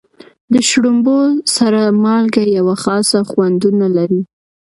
د شړومبو سره مالګه یوه خاصه خوندونه لري.